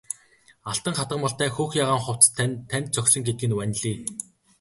Алтан хатгамалтай хөх ягаан хувцас тань танд зохисон гэдэг нь ванлий!